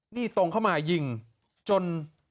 นี่ตรงเข้ามายิงจน